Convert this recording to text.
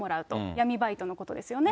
闇バイトのことですよね。